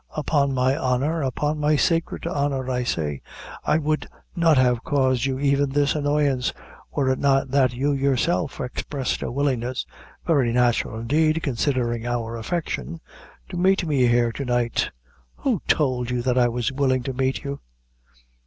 Upon my honor upon my sacred honor, I say I would not have caused you even this annoyance, were it not that you yourself expressed a willingness very natural, indeed, considering our affection to meet me here to night." "Who tould you that I was willin' to meet you?"